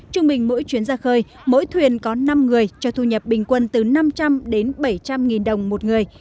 trung bình mỗi chuyến ra khơi mỗi thuyền có năm người cho thu nhập bình quân từ năm trăm linh đến bảy trăm linh nghìn đồng một người